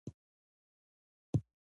ماشومان له یو بل سره په ښو اخلاقو خبرې کوي